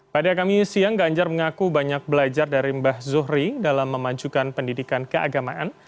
pada kami siang ganjar mengaku banyak belajar dari mbah zohri dalam memajukan pendidikan keagamaan